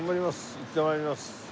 行って参ります。